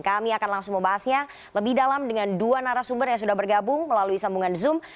kami akan langsung membahasnya lebih dalam dengan dua narasumber yang sudah bergabung melalui sambungan zoom